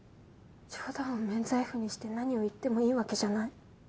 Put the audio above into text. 冗談を免罪符にして何を言ってもいいわけじゃない。